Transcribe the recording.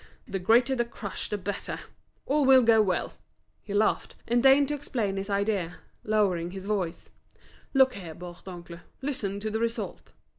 The greater the crush the better; all will go well!" He laughed, and deigned to explain his idea, lowering his voice: "Look here, Bourdoncle, listen to the result.